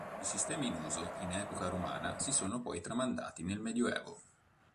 I sistemi in uso in epoca romana si sono poi tramandati nel Medioevo.